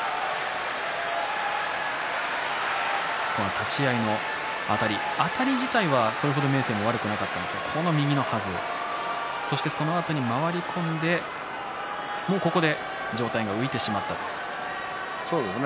立ち合いのあたりあたり自体はそれ程明生も悪くはなかったんですが右のはず、そのあと回り込んでここで上体が浮いてしまったということです。